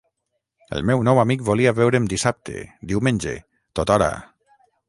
El meu nou amic volia veure'm dissabte, diumenge, tothora.